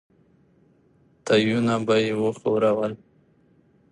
تيونه به يې وښورول.